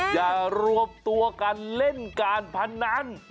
อย่ารวบตัวกันเล่นการพนัน